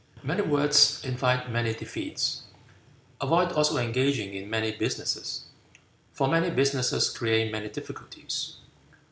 Many words invite many defeats. Avoid also engaging in many businesses, for many businesses create many difficulties."